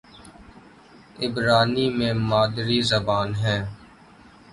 عبرانی میری مادری زبان ہے